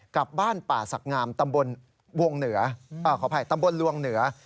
กับบ้านป่าศักดิ์งามตำบลวงเหนือ